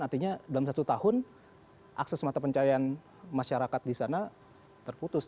artinya dalam satu tahun akses mata pencarian masyarakat di sana terputus